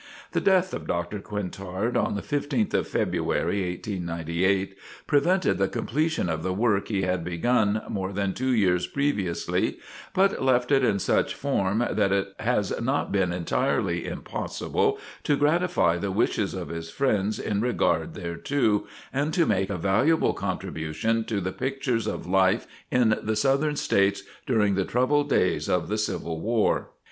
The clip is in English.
The death of Doctor Quintard on the 15th of February, 1898, prevented the completion of the work he had begun more than two years previously; but left it in such form that it has not been entirely impossible to gratify the wishes of his friends in regard thereto, and to make a valuable contribution to the pictures of life in the Southern States during the troubled days of the Civil War.